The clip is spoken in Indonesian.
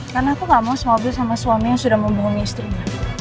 karena aku gak mau sepabel sama suami yang sudah membunuh istrinya